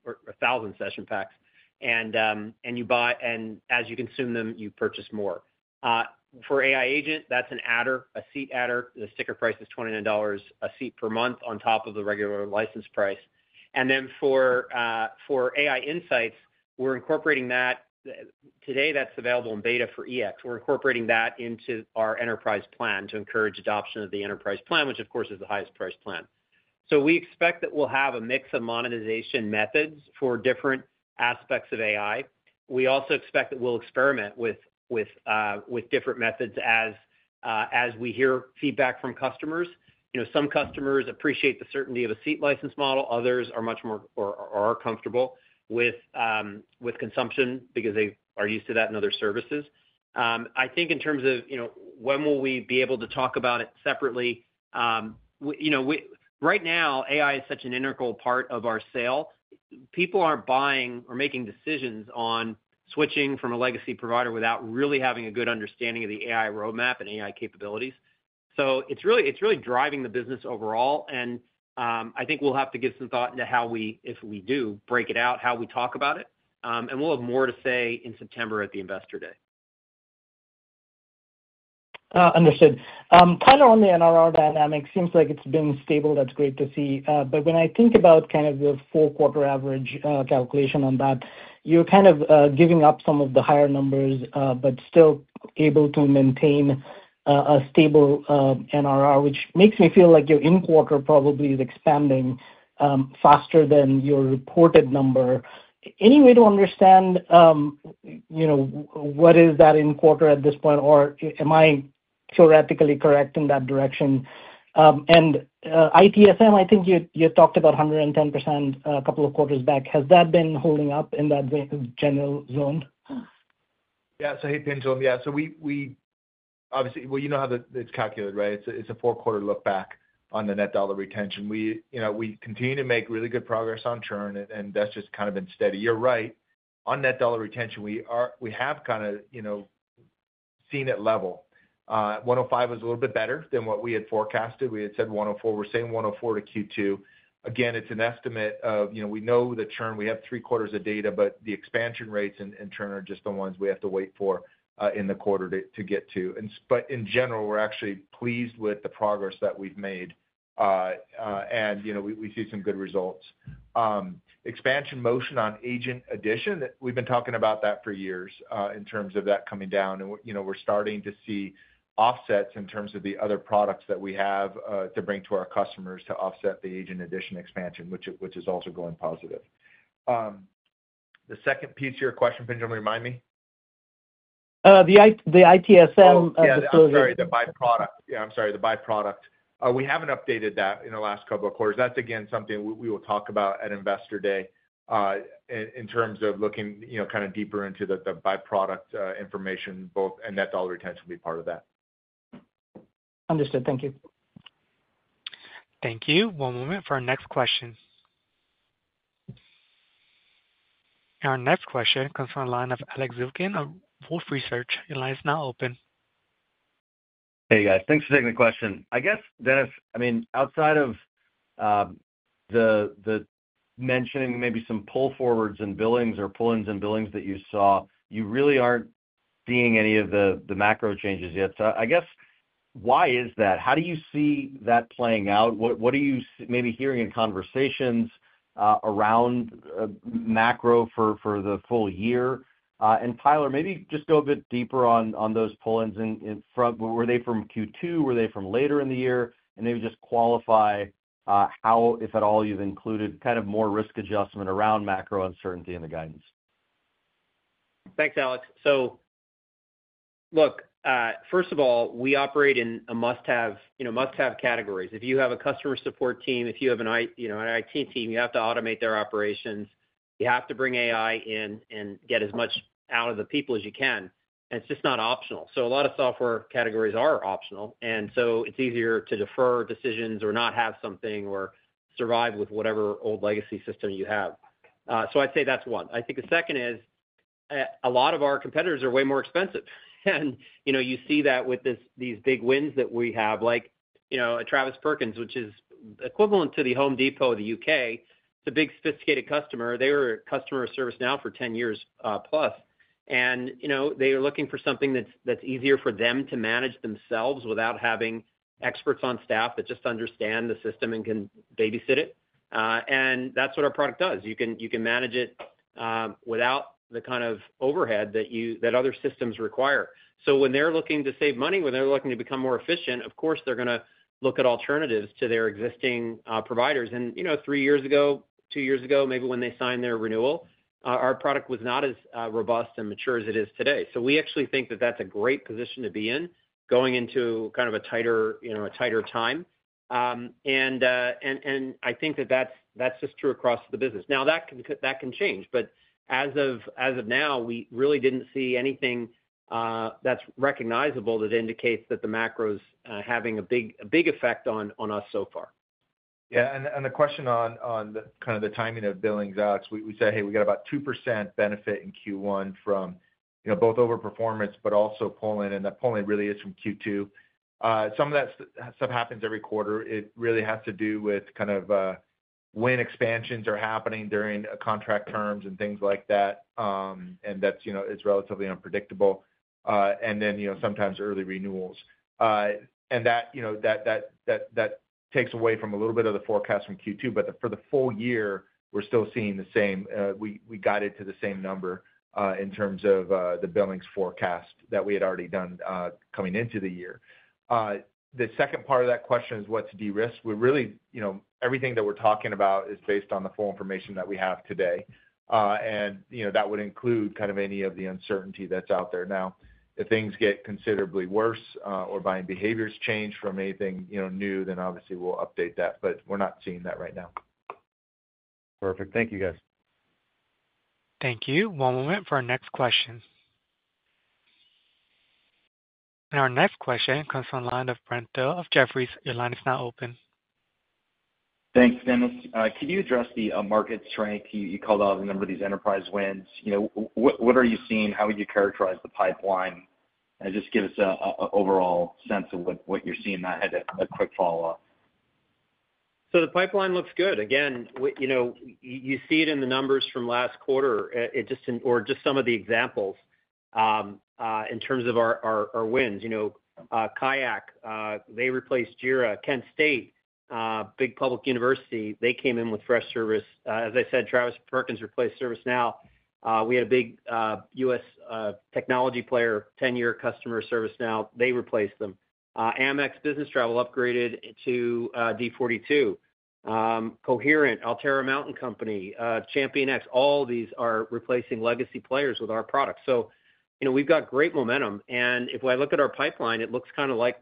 1,000 session packs. As you consume them, you purchase more. For AI agent, that's an adder, a seat adder. The sticker price is $29 a seat per month on top of the regular license price. For AI insights, we're incorporating that. Today, that's available in beta for EX. We're incorporating that into our enterprise plan to encourage adoption of the enterprise plan, which, of course, is the highest price plan. We expect that we'll have a mix of monetization methods for different aspects of AI. We also expect that we'll experiment with different methods as we hear feedback from customers. Some customers appreciate the certainty of a seat license model. Others are much more comfortable with consumption because they are used to that in other services. I think in terms of when will we be able to talk about it separately, right now, AI is such an integral part of our sale. People aren't buying or making decisions on switching from a legacy provider without really having a good understanding of the AI roadmap and AI capabilities. It is really driving the business overall. I think we'll have to give some thought into how we, if we do, break it out, how we talk about it. We'll have more to say in September at the Investor Day. Understood. Kind of on the NRR dynamic, it seems like it's been stable. That's great to see. When I think about kind of the four-quarter average calculation on that, you're kind of giving up some of the higher numbers but still able to maintain a stable NRR, which makes me feel like your in-quarter probably is expanding faster than your reported number. Any way to understand what is that in quarter at this point, or am I theoretically correct in that direction? ITSM, I think you talked about 110% a couple of quarters back. Has that been holding up in that general zone? Yeah. Hey, Panjalam. Yeah. Obviously, you know how it's calculated, right? It's a four-quarter look back on the net dollar retention. We continue to make really good progress on churn, and that's just kind of been steady. You're right. On net dollar retention, we have kind of seen it level. 105 was a little bit better than what we had forecasted. We had said 104. We're saying 104 to Q2. Again, it's an estimate of we know the churn. We have three quarters of data, but the expansion rates and churn are just the ones we have to wait for in the quarter to get to. In general, we're actually pleased with the progress that we've made, and we see some good results. Expansion motion on agent addition, we've been talking about that for years in terms of that coming down. We're starting to see offsets in terms of the other products that we have to bring to our customers to offset the agent addition expansion, which is also going positive. The second piece of your question, Panjalam, remind me. The ITSM of the solution. Yeah. Sorry. The byproduct. Yeah. I'm sorry. The byproduct. We haven't updated that in the last couple of quarters. That's, again, something we will talk about at Investor Day in terms of looking kind of deeper into the byproduct information, both and net dollar retention will be part of that. Understood. Thank you. Thank you. One moment for our next question. Our next question comes from a line of Alex Zukin of Wolfe Research. Your line is now open. Hey, guys. Thanks for taking the question. I guess, Dennis, I mean, outside of the mentioning maybe some pull forwards and billings or pull-ins and billings that you saw, you really aren't seeing any of the macro changes yet. I guess, why is that? How do you see that playing out? What are you maybe hearing in conversations around macro for the full year? Tyler, maybe just go a bit deeper on those pull-ins. Were they from Q2? Were they from later in the year? Maybe just qualify how, if at all, you've included kind of more risk adjustment around macro uncertainty in the guidance. Thanks, Alex. First of all, we operate in must-have categories. If you have a customer support team, if you have an IT team, you have to automate their operations. You have to bring AI in and get as much out of the people as you can. It is just not optional. A lot of software categories are optional, so it is easier to defer decisions or not have something or survive with whatever old legacy system you have. I would say that is one. I think the second is a lot of our competitors are way more expensive. You see that with these big wins that we have, like Travis Perkins, which is equivalent to the Home Depot of the U.K. It is a big, sophisticated customer. They were a customer of ServiceNow for 10 years plus, and they are looking for something that is easier for them to manage themselves without having experts on staff that just understand the system and can babysit it. That is what our product does. You can manage it without the kind of overhead that other systems require. When they're looking to save money, when they're looking to become more efficient, of course, they're going to look at alternatives to their existing providers. Three years ago, two years ago, maybe when they signed their renewal, our product was not as robust and mature as it is today. We actually think that that's a great position to be in going into kind of a tighter time. I think that that's just true across the business. That can change. As of now, we really didn't see anything that's recognizable that indicates that the macro's having a big effect on us so far. Yeah. The question on kind of the timing of billings, Alex, we say, "Hey, we got about 2% benefit in Q1 from both overperformance, but also pull-in," and that pull-in really is from Q2. Some of that stuff happens every quarter. It really has to do with kind of when expansions are happening during contract terms and things like that. That is relatively unpredictable. Sometimes early renewals take away from a little bit of the forecast from Q2. For the full year, we're still seeing the same. We got it to the same number in terms of the billings forecast that we had already done coming into the year. The second part of that question is what's derisked. Everything that we're talking about is based on the full information that we have today. That would include kind of any of the uncertainty that's out there. Now, if things get considerably worse or buying behaviors change from anything new, obviously, we'll update that. We're not seeing that right now. Perfect. Thank you, guys. Thank you. One moment for our next question. Our next question comes from a line of Brent of Jefferies. Your line is now open. Thanks, Dennis. Can you address the market strength? You called out a number of these enterprise wins. What are you seeing? How would you characterize the pipeline? Just give us an overall sense of what you're seeing in that. I had a quick follow-up. The pipeline looks good. You see it in the numbers from last quarter or just some of the examples in terms of our wins. Kayak, they replaced Jira. Kent State, big public university, they came in with Freshservice. As I said, Travis Perkins replaced ServiceNow. We had a big US technology player, 10-year customer of ServiceNow. They replaced them. AmEx Business Travel upgraded to Device42. Coherent, Alterra Mountain Company, ChampionX, all of these are replacing legacy players with our product. We have great momentum. If I look at our pipeline, it looks kind of like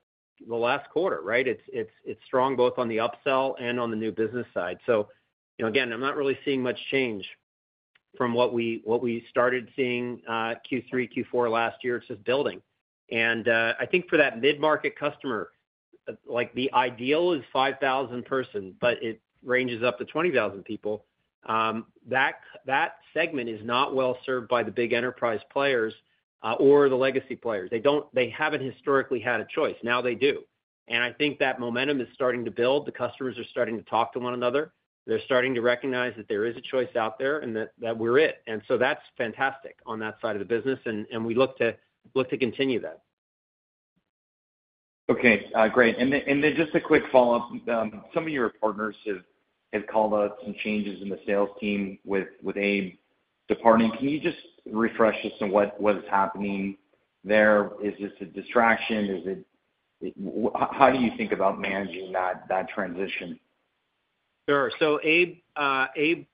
the last quarter, right? It's strong both on the upsell and on the new business side. I'm not really seeing much change from what we started seeing Q3, Q4 last year. It's just building. I think for that mid-market customer, the ideal is 5,000 person, but it ranges up to 20,000 people. That segment is not well served by the big enterprise players or the legacy players. They haven't historically had a choice. Now they do. I think that momentum is starting to build. The customers are starting to talk to one another. They're starting to recognize that there is a choice out there and that we're it. That's fantastic on that side of the business. We look to continue that. Okay. Great. Just a quick follow-up. Some of your partners have called out some changes in the sales team with Abe departing. Can you just refresh us on what is happening there? Is this a distraction? How do you think about managing that transition? Sure. Abe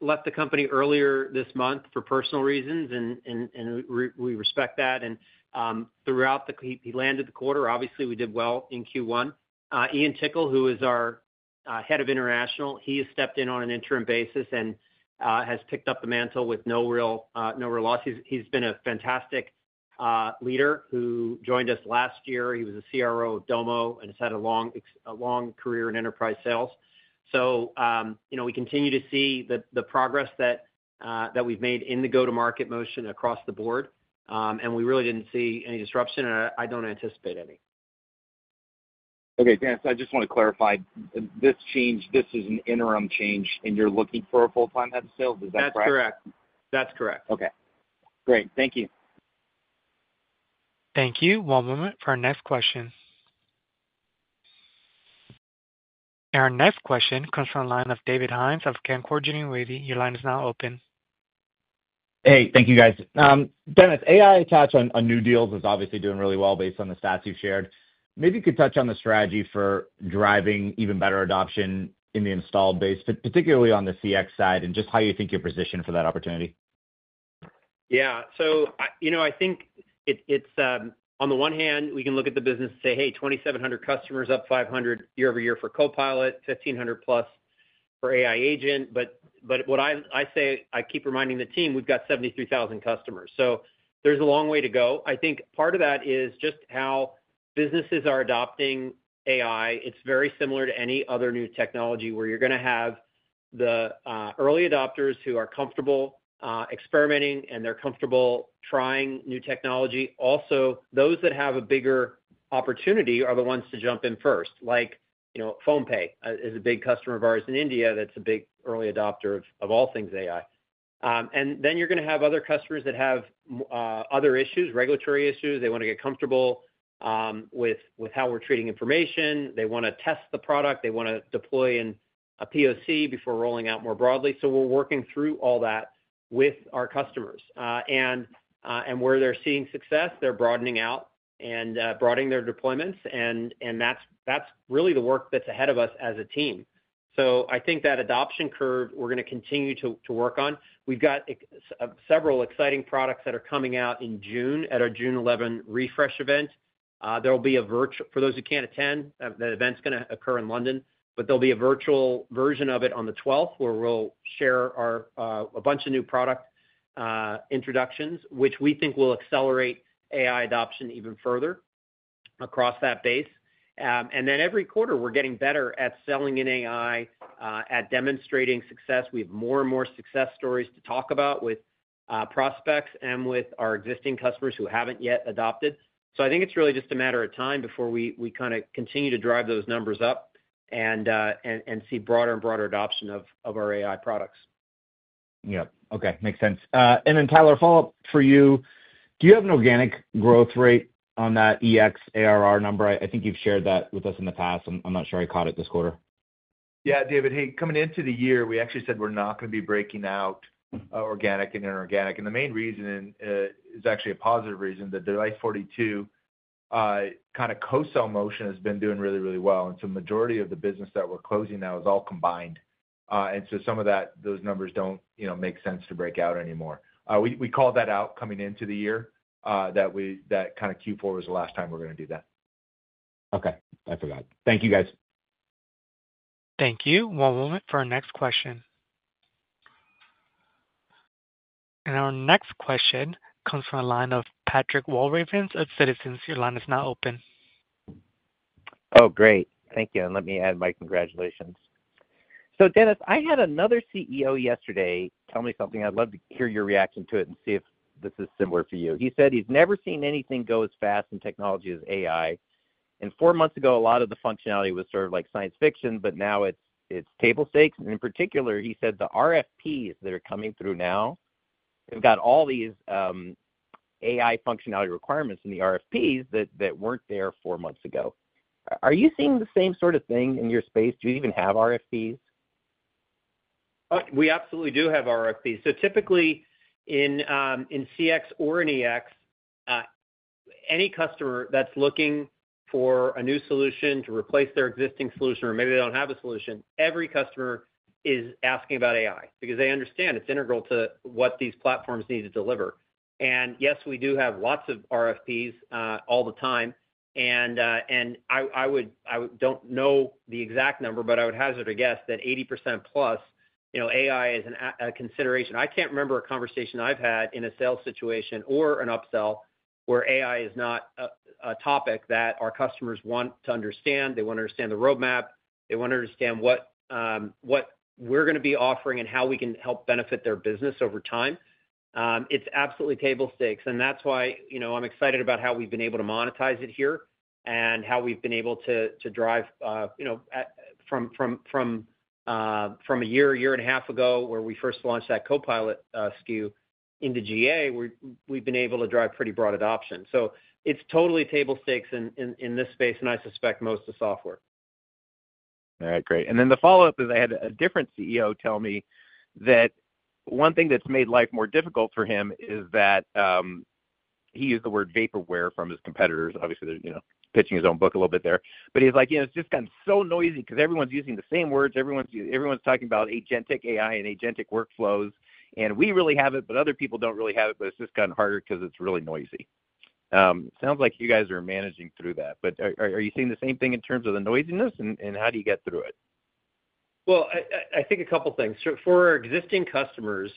left the company earlier this month for personal reasons, and we respect that. Throughout, he landed the quarter. Obviously, we did well in Q1. Ian Tickle, who is our head of international, has stepped in on an interim basis and has picked up the mantle with no real loss. He's been a fantastic leader who joined us last year. He was a CRO of Domo and has had a long career in enterprise sales. We continue to see the progress that we've made in the go-to-market motion across the board. We really didn't see any disruption, and I don't anticipate any. Okay. Dennis, I just want to clarify. This change, this is an interim change, and you're looking for a full-time head of sales. Is that correct? That's correct. That's correct. Okay. Great. Thank you. Thank you. One moment for our next question. Our next question comes from a line of David Hynes of KeyBanc Capital Markets. Your line is now open. Hey. Thank you, guys. Dennis, AI attached on new deals is obviously doing really well based on the stats you've shared. Maybe you could touch on the strategy for driving even better adoption in the installed base, particularly on the CX side, and just how you think you're positioned for that opportunity. Yeah. I think it's, on the one hand, we can look at the business and say, "Hey, 2,700 customers, up 500 year over year for Copilot, 1,500 plus for AI agent." What I say, I keep reminding the team, we've got 73,000 customers. There's a long way to go. I think part of that is just how businesses are adopting AI. It's very similar to any other new technology where you're going to have the early adopters who are comfortable experimenting, and they're comfortable trying new technology. Also, those that have a bigger opportunity are the ones to jump in first. Like PhonePe is a big customer of ours in India that's a big early adopter of all things AI. You're going to have other customers that have other issues, regulatory issues. They want to get comfortable with how we're treating information. They want to test the product. They want to deploy in a POC before rolling out more broadly. We are working through all that with our customers. Where they are seeing success, they are broadening out and broadening their deployments. That is really the work that is ahead of us as a team. I think that adoption curve, we are going to continue to work on. We have got several exciting products that are coming out in June at our June 11 Refresh event. There will be a virtual for those who cannot attend, the event is going to occur in London. There will be a virtual version of it on the 12th where we will share a bunch of new product introductions, which we think will accelerate AI adoption even further across that base. Every quarter, we are getting better at selling in AI, at demonstrating success. We have more and more success stories to talk about with prospects and with our existing customers who have not yet adopted. I think it is really just a matter of time before we kind of continue to drive those numbers up and see broader and broader adoption of our AI products. Yep. Okay. Makes sense. Then, Tyler, follow-up for you. Do you have an organic growth rate on that EX ARR number? I think you have shared that with us in the past. I am not sure I caught it this quarter. Yeah. David, hey, coming into the year, we actually said we are not going to be breaking out organic and inorganic. The main reason is actually a positive reason. The Device42 kind of co-sell motion has been doing really, really well. The majority of the business that we are closing now is all combined. Some of those numbers do not make sense to break out anymore. We called that out coming into the year that kind of Q4 was the last time we are going to do that. Okay. I forgot. Thank you, guys. Thank you. One moment for our next question. Our next question comes from a line of Patrick Walravens of Citizens. Your line is now open. Oh, great. Thank you. Let me add my congratulations. Dennis, I had another CEO yesterday tell me something. I would love to hear your reaction to it and see if this is similar for you. He said he has never seen anything go as fast in technology as AI. Four months ago, a lot of the functionality was sort of like science fiction, but now it is table stakes. In particular, he said the RFPs that are coming through now have got all these AI functionality requirements in the RFPs that were not there four months ago. Are you seeing the same sort of thing in your space? Do you even have RFPs? We absolutely do have RFPs. Typically, in CX or in EX, any customer that is looking for a new solution to replace their existing solution, or maybe they do not have a solution, every customer is asking about AI because they understand it is integral to what these platforms need to deliver. Yes, we do have lots of RFPs all the time. I do not know the exact number, but I would hazard a guess that 80%+ AI is a consideration. I can't remember a conversation I've had in a sales situation or an upsell where AI is not a topic that our customers want to understand. They want to understand the roadmap. They want to understand what we're going to be offering and how we can help benefit their business over time. It's absolutely table stakes. That's why I'm excited about how we've been able to monetize it here and how we've been able to drive from a year, year and a half ago where we first launched that Copilot SKU into GA, we've been able to drive pretty broad adoption. It's totally table stakes in this space, and I suspect most of the software. All right. Great. And then the follow-up is I had a different CEO tell me that one thing that's made life more difficult for him is that he used the word vaporware from his competitors. Obviously, they're pitching his own book a little bit there. He's like, "It's just gotten so noisy because everyone's using the same words. Everyone's talking about agentic AI and agentic workflows. And we really have it, but other people don't really have it. It's just gotten harder because it's really noisy." Sounds like you guys are managing through that. Are you seeing the same thing in terms of the noisiness, and how do you get through it? I think a couple of things. For our existing customers,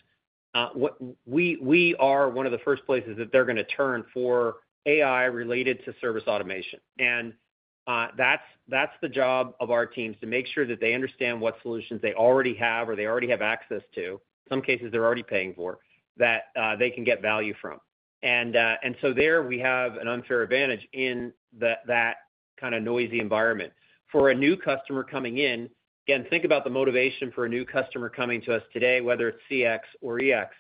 we are one of the first places that they're going to turn for AI related to service automation. That's the job of our teams to make sure that they understand what solutions they already have or they already have access to, in some cases they're already paying for, that they can get value from. There, we have an unfair advantage in that kind of noisy environment. For a new customer coming in, again, think about the motivation for a new customer coming to us today, whether it's CX or EX.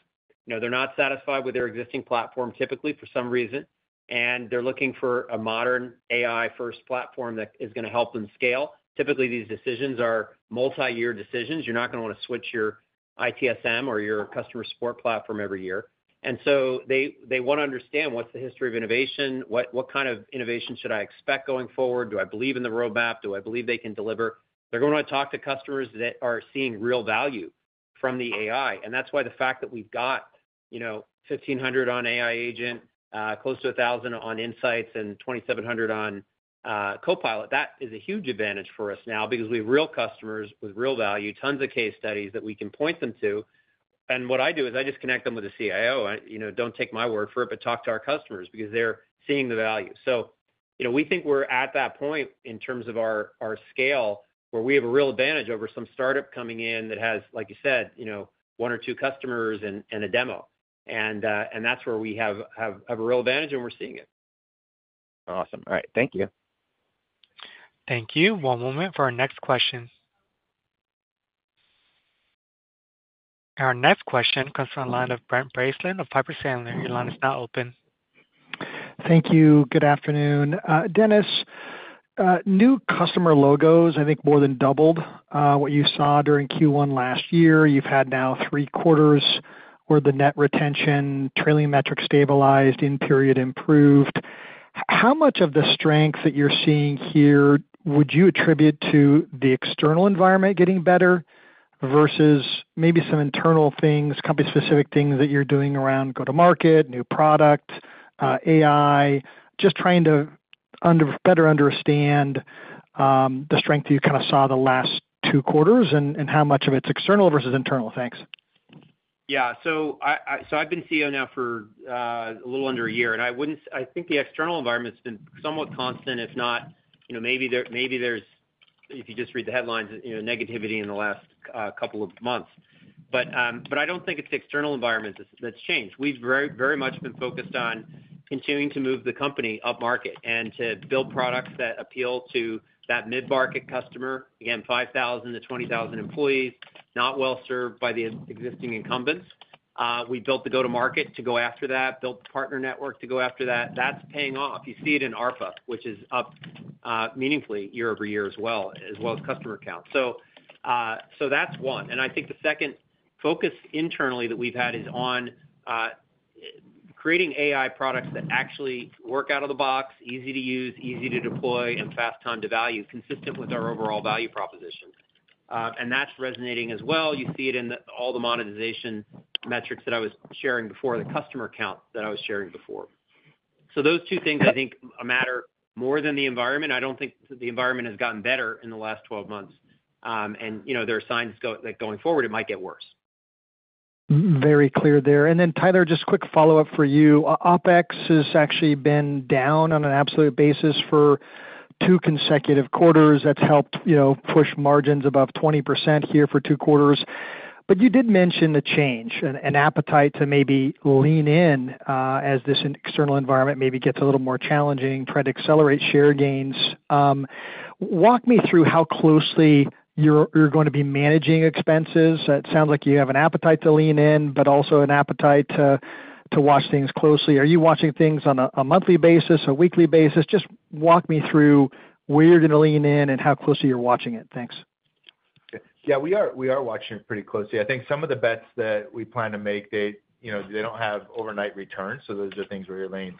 They're not satisfied with their existing platform, typically, for some reason. They're looking for a modern AI-first platform that is going to help them scale. Typically, these decisions are multi-year decisions. You're not going to want to switch your ITSM or your customer support platform every year. They want to understand what's the history of innovation, what kind of innovation should I expect going forward, do I believe in the roadmap, do I believe they can deliver. They're going to want to talk to customers that are seeing real value from the AI. That's why the fact that we've got 1,500 on AI agent, close to 1,000 on Insights, and 2,700 on Copilot, that is a huge advantage for us now because we have real customers with real value, tons of case studies that we can point them to. What I do is I just connect them with the CIO. Don't take my word for it, but talk to our customers because they're seeing the value. We think we're at that point in terms of our scale where we have a real advantage over some startup coming in that has, like you said, one or two customers and a demo. That's where we have a real advantage, and we're seeing it. Awesome. All right. Thank you. Thank you. One moment for our next question. Our next question comes from a line of Brent Braceland of Piper Sandler. Your line is now open. Thank you. Good afternoon. Dennis, new customer logos, I think, more than doubled what you saw during Q1 last year. You've had now three quarters where the net retention, trailing metrics stabilized, end period improved. How much of the strength that you're seeing here would you attribute to the external environment getting better versus maybe some internal things, company-specific things that you're doing around go-to-market, new product, AI? Just trying to better understand the strength you kind of saw the last two quarters and how much of it's external versus internal things. Yeah. I've been CEO now for a little under a year. I think the external environment's been somewhat constant, if not maybe there's, if you just read the headlines, negativity in the last couple of months. I don't think it's the external environment that's changed. We've very much been focused on continuing to move the company up market and to build products that appeal to that mid-market customer, again, 5,000-20,000 employees, not well served by the existing incumbents. We built the go-to-market to go after that, built the partner network to go after that. That's paying off. You see it in ARPA, which is up meaningfully year over year as well, as well as customer count. That's one. I think the second focus internally that we've had is on creating AI products that actually work out of the box, easy to use, easy to deploy, and fast time to value, consistent with our overall value proposition. That is resonating as well. You see it in all the monetization metrics that I was sharing before, the customer count that I was sharing before. Those two things, I think, matter more than the environment. I do not think the environment has gotten better in the last 12 months. There are signs that going forward, it might get worse. Very clear there. Tyler, just a quick follow-up for you. OpEx has actually been down on an absolute basis for two consecutive quarters. That has helped push margins above 20% here for two quarters. You did mention the change and appetite to maybe lean in as this external environment maybe gets a little more challenging, try to accelerate share gains. Walk me through how closely you're going to be managing expenses. It sounds like you have an appetite to lean in, but also an appetite to watch things closely. Are you watching things on a monthly basis, a weekly basis? Just walk me through where you're going to lean in and how closely you're watching it. Thanks. Yeah. We are watching it pretty closely. I think some of the bets that we plan to make, they don't have overnight returns. Those are things where you're laying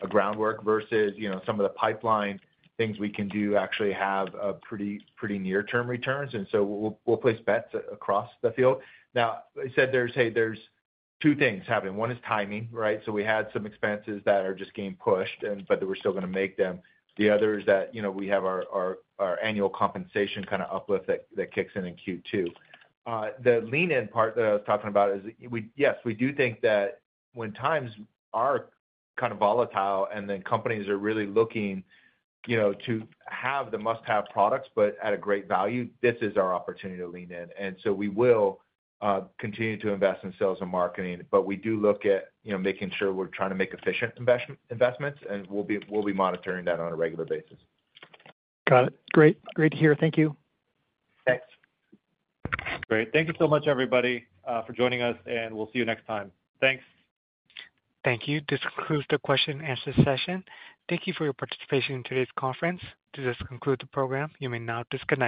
a groundwork versus some of the pipeline things we can do actually have pretty near-term returns. We will place bets across the field. I said there's two things happening. One is timing, right? We had some expenses that are just getting pushed, but we're still going to make them. The other is that we have our annual compensation kind of uplift that kicks in in Q2. The lean-in part that I was talking about is, yes, we do think that when times are kind of volatile and companies are really looking to have the must-have products, but at a great value, this is our opportunity to lean in. We will continue to invest in sales and marketing. We do look at making sure we're trying to make efficient investments. We'll be monitoring that on a regular basis. Got it. Great. Great to hear. Thank you. Thanks. Great. Thank you so much, everybody, for joining us. We'll see you next time. Thanks. Thank you. This concludes the question-and-answer session. Thank you for your participation in today's conference. To just conclude the program, you may now disconnect.